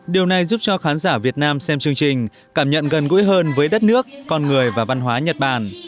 điều này giúp cho khán giả việt nam xem chương trình cảm nhận gần gũi hơn với đất nước con người và văn hóa nhật bản